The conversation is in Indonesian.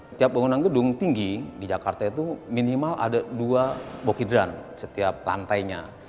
setiap bangunan gedung tinggi di jakarta itu minimal ada dua bokidran setiap lantainya